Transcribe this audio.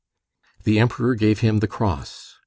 The Emperor gave him the cross.